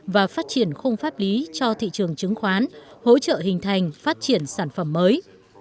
và phát triển khung pháp lý cho thị trường chứng khoán hỗ trợ hình thành phát triển sản phẩm mới